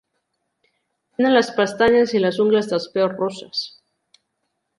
Tenen les pestanyes i les ungles dels peus rosses.